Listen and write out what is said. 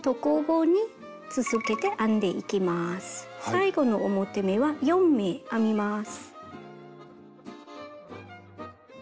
最後の表目は４目編みます。